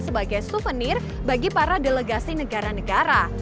sebagai souvenir bagi para delegasi negara negara